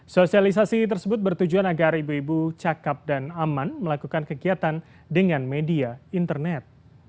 sosialisasi tersebut bertujuan agar ibu ibu cakep dan aman melakukan kegiatan dengan media internet